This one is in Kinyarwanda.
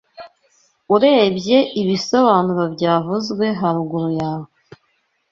Urebye ibisobanuro byavuzwe haruguru yawe